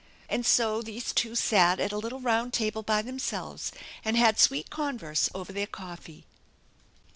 And so these two sat at a little round table by themselves and had sweet converse over their coffee.